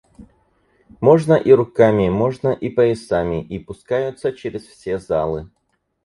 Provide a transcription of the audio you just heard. Можно и руками, можно и поясами, и пускаются чрез все залы.